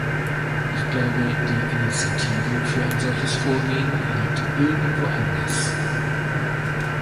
Ich glaube, die Initiative für ein solches Vorgehen liegt irgendwoanders.